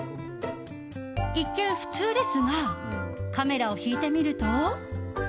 一見、普通ですがカメラを引いてみると。